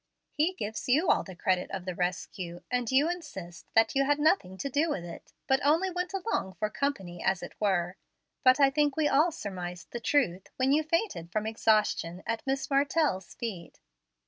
He gives you all the credit of the rescue, and you insist that you had nothing to do with it, but only went along for company, as it were. But I think we all surmised the truth, when you fainted from exhaustion at Miss Martell's feet.